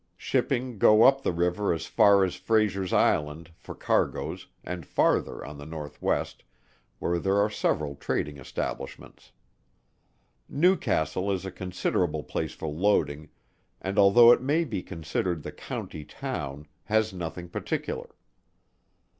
Shipping go up the river as far as Fraser's Island for cargoes and farther on the northwest, where there are several trading establishments. Newcastle is a considerable place for loading, and although it may be considered the county town, has nothing particular.